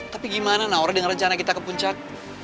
tapi gimana naura dengan rencana kita ke puncak